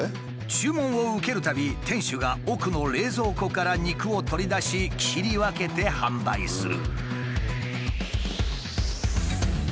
注文を受けるたび店主が奥の冷蔵庫から肉を取り出し切り分けて販売する。